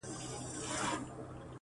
هم د كلي هم بلاوي د بيابان يو-